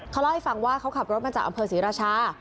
เขาเล่าให้ฟังว่าเขาขับรถมาจากอำเภอศรีราชา